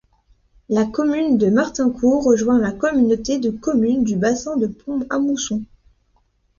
La commune de Martincourt rejoint la Communauté de communes du Bassin de Pont-à-Mousson.